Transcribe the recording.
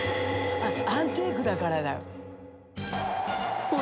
アンティークだからだよ。